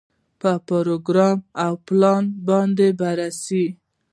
په پروګرام او پلان باندې بررسي.